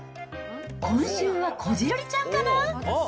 今週はこじるりちゃんかな？